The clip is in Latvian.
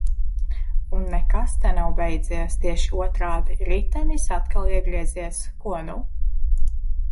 Un nekas te nav beidzies – tieši otrādi – ritenis atkal iegriezies. Ko nu?